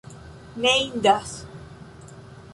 Ne indas.